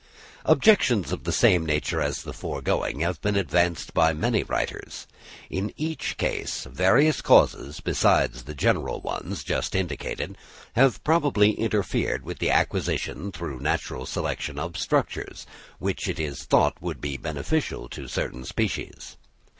Objections of the same nature as the foregoing have been advanced by many writers. In each case various causes, besides the general ones just indicated, have probably interfered with the acquisition through natural selection of structures, which it is thought would be beneficial to certain species.